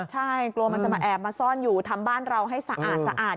ใช่กลัวมันจะมาแอบมาซ่อนอยู่ทำบ้านเราให้สะอาด